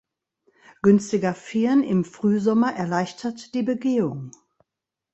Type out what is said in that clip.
Günstiger Firn im Frühsommer erleichtert die Begehung.